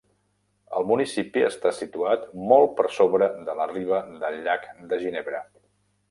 El municipi està situat molt per sobre de la riba del llac de Ginebra.